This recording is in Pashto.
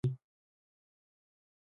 تاسو لږ په طمعه شئ.